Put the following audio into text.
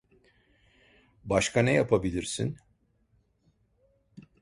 Başka ne yapabilirsin?